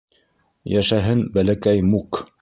— Йәшәһен Бәләкәй Мук!